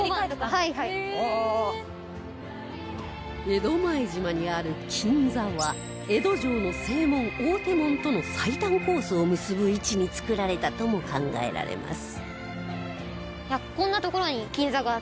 江戸前島にある金座は江戸城の正門大手門との最短コースを結ぶ位置に造られたとも考えられます